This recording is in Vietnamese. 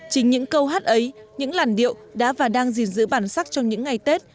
chính những câu hát ấy những làn điệu đã và đang gìn giữ bản sắc trong những ngày tết